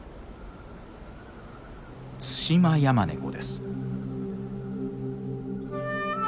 ツシマヤマネコです。